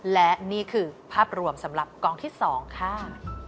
และนี่คือภาพรวมสำหรับกองที่๒ค่ะ